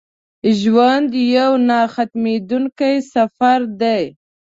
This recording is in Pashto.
ژوند یو نه ختمېدونکی سفر دی.